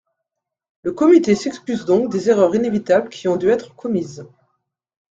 Le Comité s'excuse donc des erreurs inévitables qui ont dû être commises.